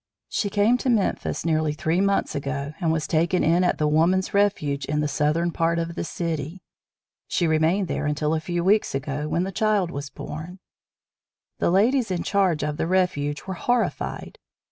She came to Memphis nearly three months ago and was taken in at the Woman's Refuge in the southern part of the city. She remained there until a few weeks ago, when the child was born. The ladies in charge of the Refuge were horified.